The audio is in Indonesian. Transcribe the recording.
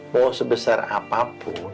mau sebesar apapun